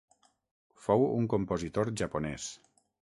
Fou un compositor japonès.